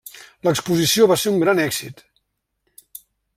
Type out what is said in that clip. L'exposició va ser un gran èxit.